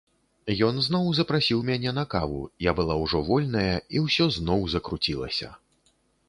Ён зноў запрасіў мяне на каву, я была ўжо вольная, і ўсё зноў закруцілася.